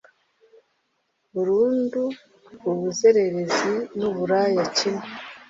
burundu ubuzererezi n uburaya kimwe